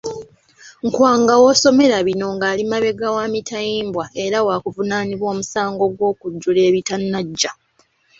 Nkwanga w'osomero bino ng'ali mabega wa mitayimbwa era wakuvunaanibwa omusango gw'okujjula ebitanajja.